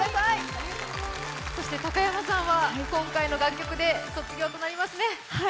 高山さんは今回の楽曲で卒業となりますね。